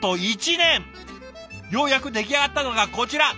ようやく出来上がったのがこちら。